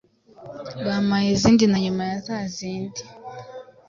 bampaye izndi na nyuma yazazindi